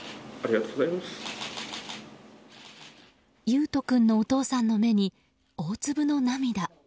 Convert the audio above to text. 維斗君のお父さんの目に大粒の涙。